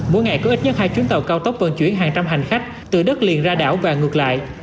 mỗi ngày có ít nhất hai chuyến tàu cao tốc vận chuyển hàng trăm hành khách từ đất liền ra đảo và ngược lại